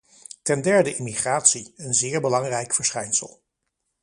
Ten derde immigratie, een zeer belangrijk verschijnsel.